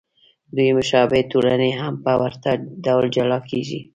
دوې مشابه ټولنې هم په ورته ډول جلا کېږي.